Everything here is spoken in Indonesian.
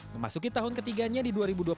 memasuki tahun ketiganya di dua ribu dua puluh satu